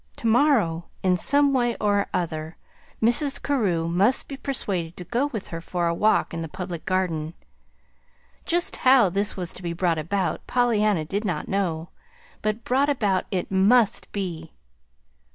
To morrow, in some way or other, Mrs. Carew must be persuaded to go with her for a walk in the Public Garden. Just how this was to be brought about Pollyanna did not know; but brought about it must be.